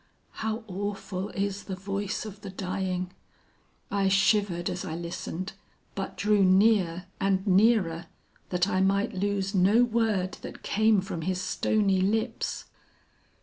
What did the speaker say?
"How awful is the voice of the dying! I shivered as I listened, but drew near and nearer, that I might lose no word that came from his stony lips.